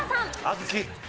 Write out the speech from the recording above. あずき。